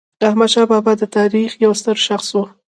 احمدشاه بابا د تاریخ یو ستر شخص و.